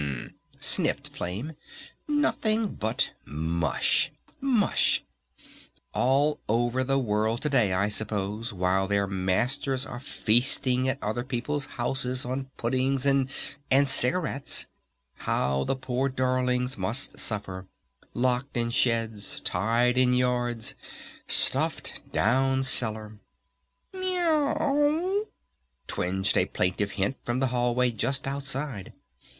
"U m m," sniffed Flame. "Nothing but mush! Mush! All over the world to day I suppose while their masters are feasting at other people's houses on puddings and and cigarettes! How the poor darlings must suffer! Locked in sheds! Tied in yards! Stuffed down cellar!" "Me o w," twinged a plaintive hint from the hallway just outside.